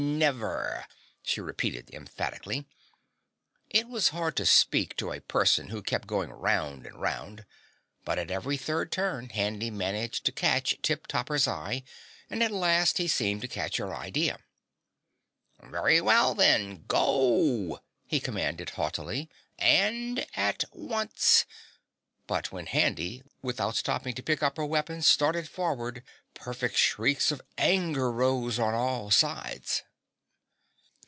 NEVER!" she repeated emphatically. It was hard to speak to a person who kept going round and round, but at every third turn Handy managed to catch Tip Topper's eye and at last he seemed to catch her idea. "Very well, then, GO!" he commanded haughtily. "And at once!" But when Handy, without stopping to pick up her weapons, started forward, perfect shrieks of anger rose on all sides.